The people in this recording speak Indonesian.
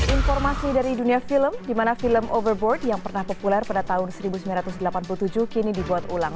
informasi dari dunia film di mana film overboard yang pernah populer pada tahun seribu sembilan ratus delapan puluh tujuh kini dibuat ulang